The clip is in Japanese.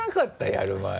やる前。